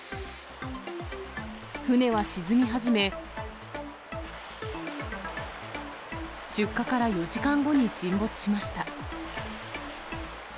船は沈み始め、出火から４時間後に沈没しました。